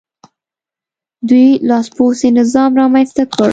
دوی لاسپوڅی نظام رامنځته کړ.